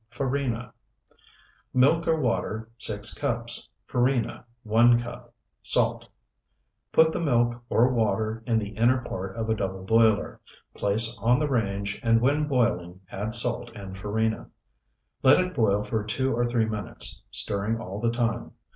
FARINA Milk, or water, 6 cups. Farina, 1 cup. Salt. Put the milk or water in the inner part of a double boiler, place on the range, and when boiling add salt and farina. Let it boil for two or three minutes, stirring all the time.